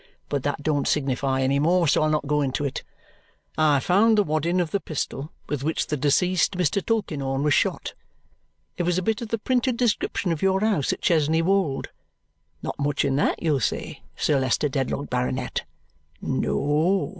But that don't signify any more, so I'll not go into it. I found the wadding of the pistol with which the deceased Mr. Tulkinghorn was shot. It was a bit of the printed description of your house at Chesney Wold. Not much in that, you'll say, Sir Leicester Dedlock, Baronet. No.